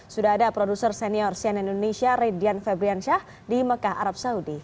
sudah ada produser senior sian indonesia radian fabrian shah di mekah arab saudi